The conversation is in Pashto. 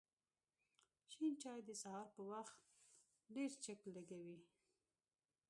شین چای د سهار په وخت ډېر چک لږوی